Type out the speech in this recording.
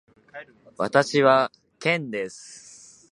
私はケンです。